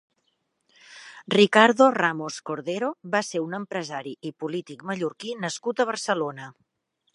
Ricardo Ramos Cordero va ser un empresari i polític mallorquí nascut a Barcelona.